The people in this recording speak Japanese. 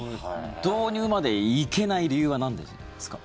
導入まで行けない理由はなんですか？